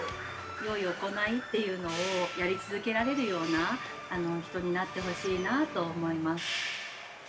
よい行いっていうのをやり続けられるような人になってほしいなと思います。